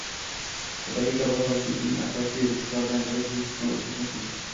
Ipoteka bozori uchun eng asosiy risklardan biri bu koʻchmas mulk